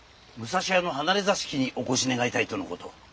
武蔵屋の離れ座敷にお越し願いたいとのこと。